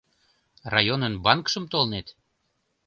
Районын банкшым толен?